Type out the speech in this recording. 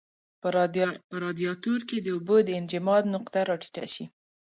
په رادیاتور کې د اوبو د انجماد نقطه را ټیټه شي.